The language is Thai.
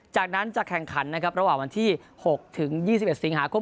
จากนั้นจะแข่งขันนะครับระหว่างวันที่๖ถึง๒๑สิงหาคม